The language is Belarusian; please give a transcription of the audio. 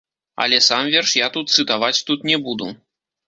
Але сам верш я тут цытаваць тут не буду.